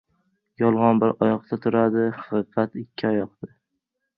• Yolg‘on bir oyoqda turadi, haqiqat ― ikki oyoqda.